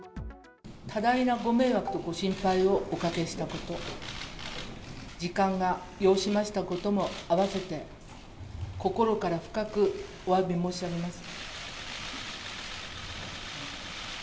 多大なご迷惑とご心配をおかけしたこと、時間が要しましたこともあわせて心から深くおわび申し上げます。